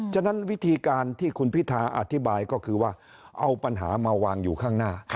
ฉะนั้นวิธีการที่คุณพิธาอธิบายก็คือว่าเอาปัญหามาวางอยู่ข้างหน้า